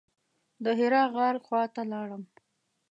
د حرا غار خواته لاړم.